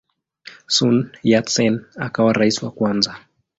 Sun Yat-sen akawa rais wa kwanza.